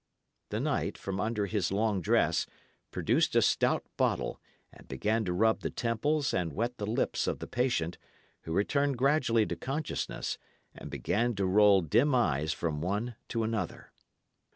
The knight, from under his long dress, produced a stout bottle, and began to rub the temples and wet the lips of the patient, who returned gradually to consciousness, and began to roll dim eyes from one to another.